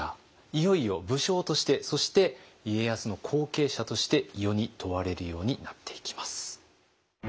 いよいよ武将としてそして家康の後継者として世に問われるようになっていきます。